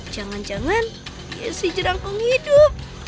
jangan jangan dia sih jerang penghidup